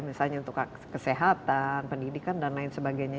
misalnya untuk kesehatan pendidikan dan lain sebagainya